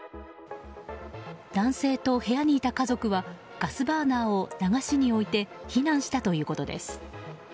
男性と部屋にいた家族はガスバーナーを流しに置いて避難したということです。